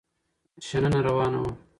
شننه روانه وه.